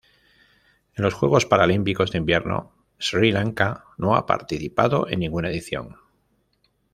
En los Juegos Paralímpicos de Invierno Sri Lanka no ha participado en ninguna edición.